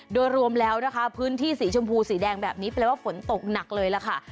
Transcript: โดยรวมแล้วนะคะพื้นที่สีชมพูสีแดงแบบนี้แปลว่าฝนตกหนักเลยล่ะค่ะ